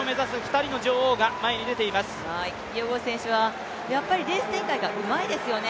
キピエゴン選手はやっぱりレース展開がうまいですよね。